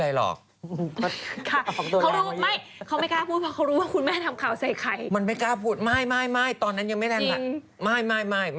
หลังจากนั้นล่ะหลังจากนั้นคุณแม่ได้เจอเขายังไหม